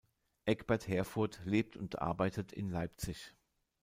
Egbert Herfurth lebt und arbeitet in Leipzig.